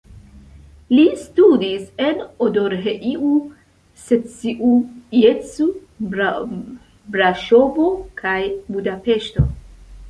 Li studis en Odorheiu Secuiesc, Braŝovo kaj Budapeŝto.